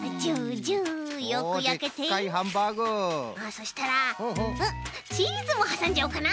そしたらチーズもはさんじゃおうかな！